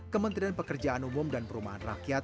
kementerian pekerjaan umum dan perumahan rakyat